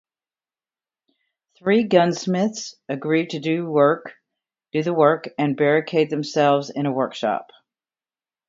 Three gunsmiths agree to do the work and barricade themselves in a workshop.